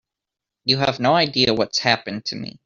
You have no idea what's happened to me.